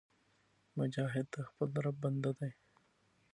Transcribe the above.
مجاهد د خپل رب بنده دی